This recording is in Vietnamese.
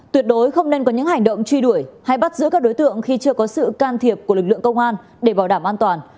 tuyệt đối không nên có những hành động truy đuổi hay bắt giữ các đối tượng khi chưa có sự can thiệp của lực lượng công an để bảo đảm an toàn